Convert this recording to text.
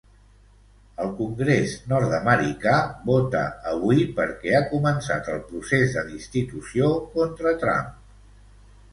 El congrés nord-americà vota avui perquè ha començat el procés de destitució contra Trump.